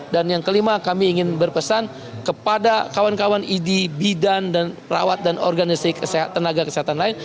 dan yang kelima kami ingin berpesan kepada kawan kawan id bidan dan perawat dan organisasi tenaga kesehatan lain